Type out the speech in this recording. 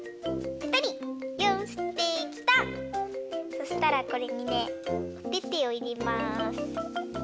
そしたらこれにねおててをいれます。